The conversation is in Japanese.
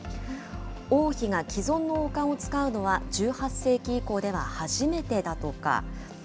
王妃が既存の王冠を使うのは１８世紀以降では初めてだとか。